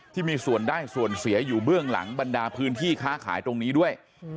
ที่มีส่วนได้ส่วนเสียอยู่เบื้องหลังบรรดาพื้นที่ค้าขายตรงนี้ด้วย